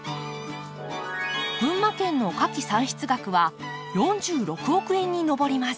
群馬県の花き産出額は４６億円に上ります。